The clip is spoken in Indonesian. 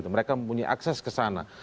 mereka mempunyai akses ke sana